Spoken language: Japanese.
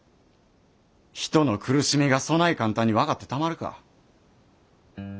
人の苦しみがそない簡単に分かってたまるか。